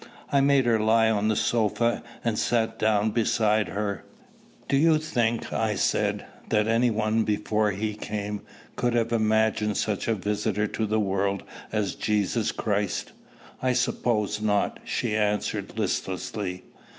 I made her lie on the sofa, and sat down beside her. "Do you think," I said, "that any one, before he came, could have imagined such a visitor to the world as Jesus Christ?" "I suppose not," she answered listlessly.